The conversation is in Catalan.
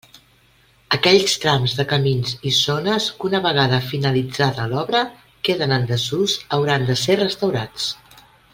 Aquells trams de camins i zones que una vegada finalitzada l'obra queden en desús, hauran de ser restaurats.